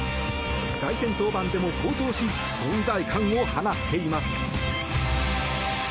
凱旋登板でも好投し存在感を放っています。